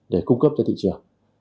để cung cấp cho thị trường